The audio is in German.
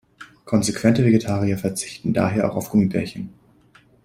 Konsequente Vegetarier verzichten daher auch auf Gummibärchen.